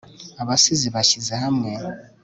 abasizi bashyize hamwe